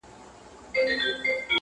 چي خپل تور ورېښته یې